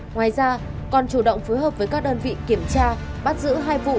ngoài ra còn chủ động phối hợp với các đơn vị kiểm tra bắt giữ hai vụ